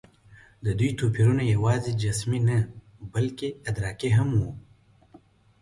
د دوی توپیرونه یواځې جسمي نه، بلکې ادراکي هم وو.